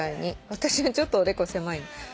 私ちょっとおでこ狭い。